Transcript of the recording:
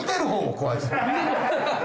怖いですよ。